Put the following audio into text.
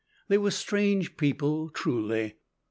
They were strange people, truly.